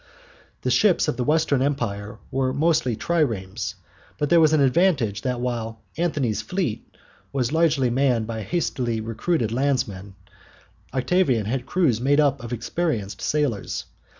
The ships of the Western Empire were mostly triremes; but there was the advantage that while Antony's fleet was largely manned by hastily recruited landsmen, Octavian had crews made up of experienced sailors.